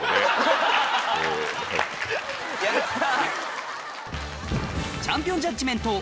やった。